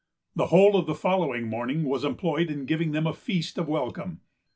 The whole of the following morning was employed in giving them a feast of welcome.